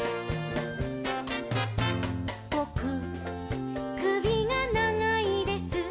「ぼくくびがながいです」